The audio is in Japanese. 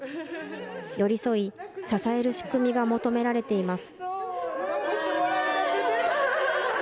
寄り添い、支える仕組みが求められています。